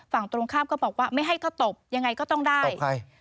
ฝั่งตรงข้ามก็บอกว่าไม่ให้ก็ตบยังไงก็ต้องได้ใช่